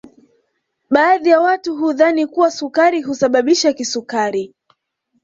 Baadhi ya watu hudhani kuwa sukari husababisha kisukari